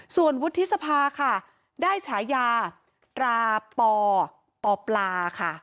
ส่วนวุฒิสภาค่ะได้ฉายาตราปปปลาค่ะ